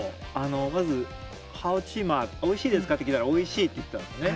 まずおいしいですかって聞いたらおいしいって言ったんですね。